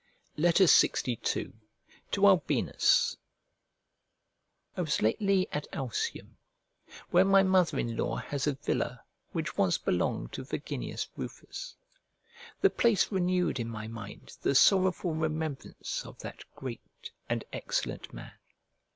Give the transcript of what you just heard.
LXII To ALBINUS I WAS lately at Alsium, where my mother in law has a villa which once belonged to Verginius Rufus. The place renewed in my mind the sorrowful remembrance of that great and excellent man.